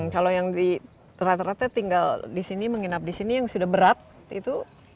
kalau yang di rata rata tinggal di sini menginap di sini yang sudah berat itu